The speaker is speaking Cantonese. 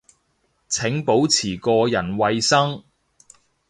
請保持個人衛生